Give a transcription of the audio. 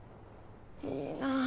いいな。